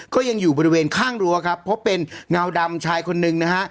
ก็ยังอยู่บริเวณข้างรั้วครับพบเป็นเงาดำชายคนนึงนะฮะ